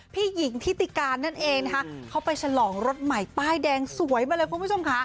พี่หญิงทิติการนั่นเองนะคะเขาไปฉลองรถใหม่ป้ายแดงสวยมาเลยคุณผู้ชมค่ะ